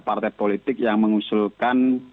partai politik yang mengusulkan